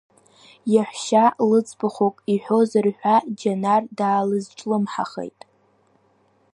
Иаҳәшьа лыӡбахәык иҳәозар ҳәа Џьанар даалызҿлымҳахеит.